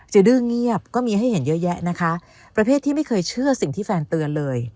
ดื้อเงียบก็มีให้เห็นเยอะแยะนะคะประเภทที่ไม่เคยเชื่อสิ่งที่แฟนเตือนเลย